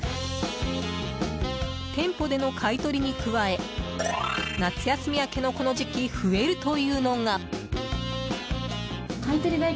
店舗での買い取りに加え夏休み明けのこの時期増えるというのが。